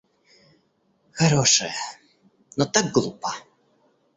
Хорошая, но так глупа!